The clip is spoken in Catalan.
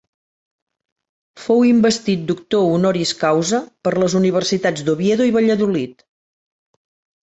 Fou investit doctor honoris causa per les universitats d'Oviedo i Valladolid.